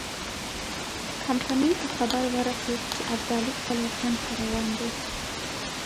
کمپنۍ ته خبر ورسېد چې ابدالي خپل وطن ته روان دی.